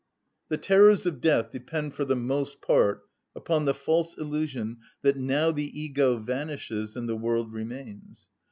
The terrors of death depend for the most part upon the false illusion that now the ego vanishes and the world remains.